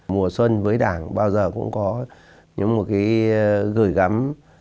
mùa xuân với đảng bao giờ cũng có những một cái gửi gắm